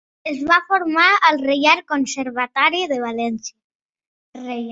Es va formar al Reial Conservatori de València.